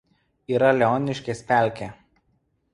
Yra Leoniškės pelkė.